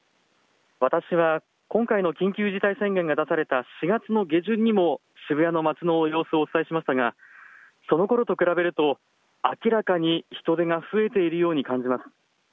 私は今回の緊急事態宣言が出された４月の下旬にも渋谷の街の様子をお伝えしましたがそのころと比べると、明らかに人出が増えているように感じます。